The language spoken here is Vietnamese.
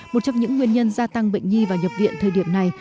một trong những nguyên nhân gia tăng bệnh nhi vào nhập viện thời điểm này